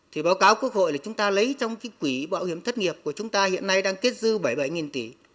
thì báo cáo quốc hội là chúng ta lấy trong cái quỹ bảo hiểm thất nghiệp của chúng ta hiện nay đang kết dư bảy mươi bảy tỷ